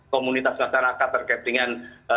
komunitas masyarakat terkait dengan